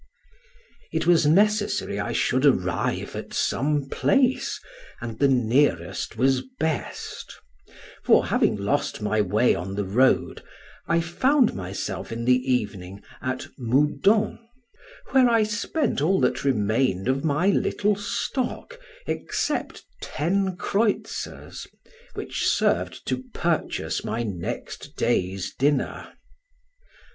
It was necessary I should arrive at some place, and the nearest was best; for having lost my way on the road, I found myself in the evening at Moudon, where I spent all that remained of my little stock except ten creuzers, which served to purchase my next day's dinner.